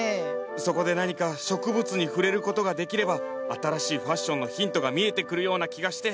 そこで何か植物に触れることができれば新しいファッションのヒントが見えてくるような気がして。